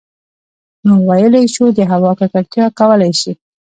نـو ٫ويلـی شـوو د هـوا ککـړتـيا کـولی شـي